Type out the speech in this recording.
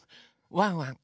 ワンワン